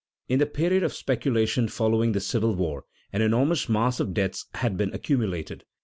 In the period of speculation following the Civil War an enormous mass of debts had been accumulated.